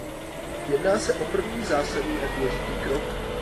Jedná se o první zásadní a důležitý krok.